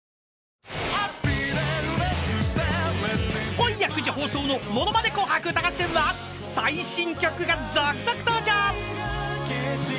［今夜９時放送の『ものまね紅白歌合戦』は最新曲が続々登場］